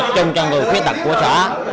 chung cho người khuyết tật của xã